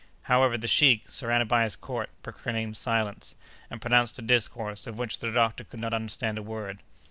However, the sheik, surrounded by his court, proclaimed silence, and pronounced a discourse, of which the doctor could not understand a word.